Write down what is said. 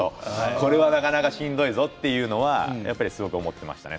これはなかなかしんどいぞというのはやっぱりすごく思っていましたね。